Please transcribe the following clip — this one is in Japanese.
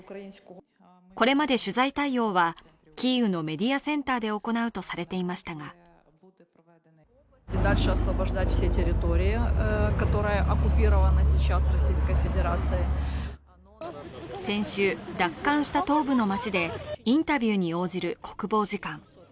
これまで取材対応はキーウのメディアセンターで行うとされていましたが先週、奪還した東部の街でインタビューに応じる国防次官。